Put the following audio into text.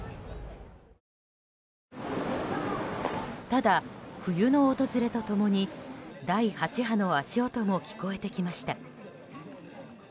ただ冬の訪れと共に、第８波の足音も聞こえてきました。